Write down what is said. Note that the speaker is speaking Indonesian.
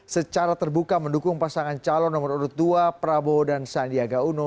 secara terbuka mendukung pasangan calon nomor urut dua prabowo dan sandiaga uno